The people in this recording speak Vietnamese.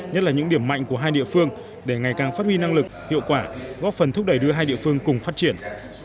nhất là những điểm mạnh của hai địa phương để ngày càng phát huy năng lực hiệu quả góp phần thúc đẩy đưa hai địa phương cùng phát triển